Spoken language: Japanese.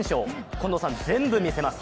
近藤さん、全部見せます。